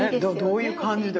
どういう感じで？